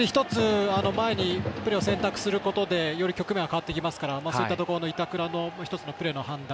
前にプレーを選択することで局面は変わってきますからそういったところの板倉のプレー判断。